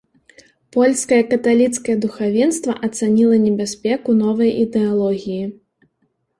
Польскае каталіцкае духавенства ацаніла небяспеку новай ідэалогіі.